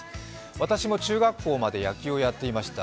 私も中学校まで野球をやっていました。